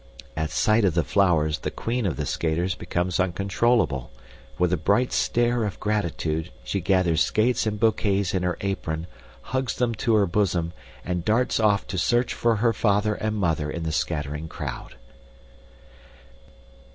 At sight of the flowers the queen of the skaters becomes uncontrollable. With a bright stare of gratitude, she gathers skates and bouquets in her apron, hugs them to her bosom, and darts off to search for her father and mother in the scattering crowd.